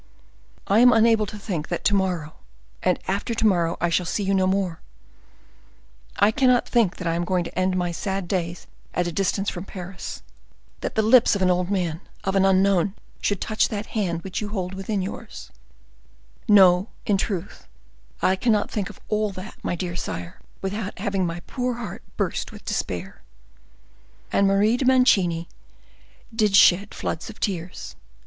"I am unable to think that to morrow, and after to morrow, I shall see you no more; I cannot think that I am going to end my sad days at a distance from Paris; that the lips of an old man, of an unknown, should touch that hand which you hold within yours; no, in truth, I cannot think of all that, my dear sire, without having my poor heart burst with despair." And Marie de Mancini did shed floods of tears.